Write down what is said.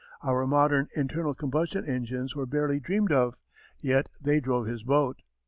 Our modern internal combustion engines were barely dreamed of, yet they drove his boat.